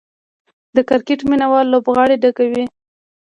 د کرکټ مینه وال لوبغالي ډکوي.